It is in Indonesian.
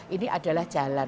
ini adalah jalan